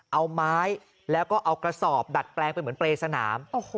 เอาไม้แล้วก็เอากระสอบดัดแปลงไปเหมือนเปรย์สนาม